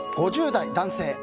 ５０代男性。